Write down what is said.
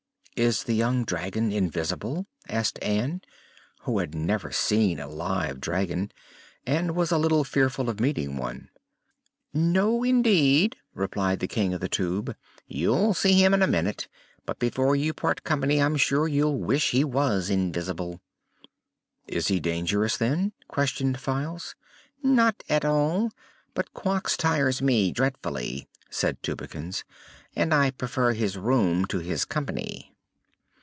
"Is the young dragon invisible?" asked Ann, who had never seen a live dragon and was a little fearful of meeting one. "No, indeed," replied the King of the Tube. "You'll see him in a minute; but before you part company I'm sure you'll wish he was invisible." "Is he dangerous, then?" questioned Files. "Not at all. But Quox tires me dreadfully," said Tubekins, "and I prefer his room to his company."